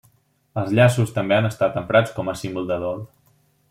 Els llaços també han estat emprats com a símbol de dol.